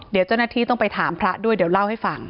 เดี๋ยวเจ้าหน้าที่ต้องไปถามพระด้วยเดี๋ยวเล่าให้ฟัง